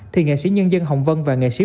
thì nghệ sĩ nhân dân hồng vân và nghệ sĩ